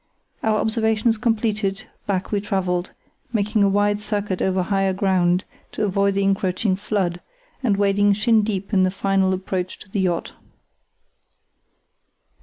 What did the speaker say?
Our observations completed, back we travelled, making a wide circuit over higher ground to avoid the encroaching flood, and wading shin deep in the final approach to the yacht.